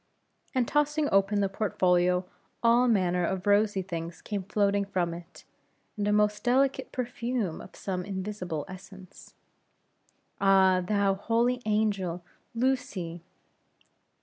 and tossing open the portfolio, all manner of rosy things came floating from it, and a most delicate perfume of some invisible essence. "Ah! thou holy angel, Lucy!"